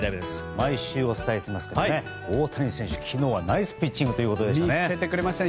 毎週お伝えしていますが大谷選手、昨日はナイスピッチングでしたね。